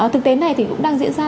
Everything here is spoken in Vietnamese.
thực tế này thì cũng đang diễn ra